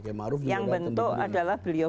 yang bentuk adalah beliau